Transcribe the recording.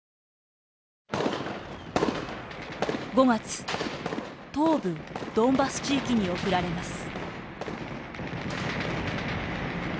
５月、東部ドンバス地域に送られます。